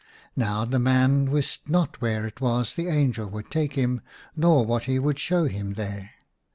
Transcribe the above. Now the man wist not where it was the angel would take him nor what he would show him there.